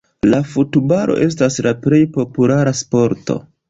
La futbalo estas la plej populara sporto.